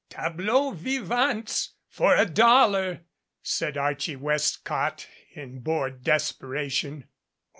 "Tableaux vivants, for a dollar!" said Archie West cott in bored desperation.